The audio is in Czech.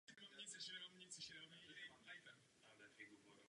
Na následky zranění ještě téhož dne před půlnocí zemřel v nemocnici v Červené Vodě.